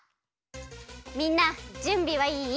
みんなじゅんびはいい？